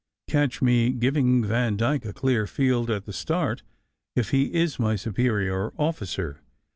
"Catch me giving Vandyke a clear field at the start, if he is my superior officer!